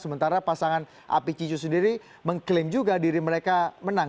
sementara pasangan api cicu sendiri mengklaim juga diri mereka menang